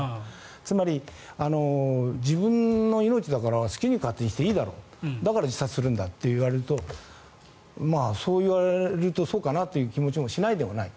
つまり、自分の命だから好きに、勝手にしていいだろうだから自殺するんだと言われるとそういわれるとそうかなという気持ちもしないではない。